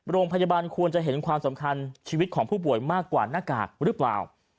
โรงพยาบาลควรจะเห็นความสำคัญชีวิตของผู้ป่วยมากกว่าหน้ากากหรือเปล่า